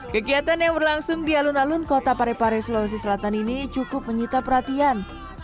kegiatan yang berlangsung di alun alun kota parepare sulawesi selatan ini cukup menyita perhatian